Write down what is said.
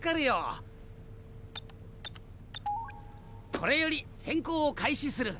これより潜行を開始する。